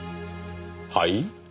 はい？